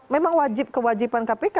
memang kewajiban kpk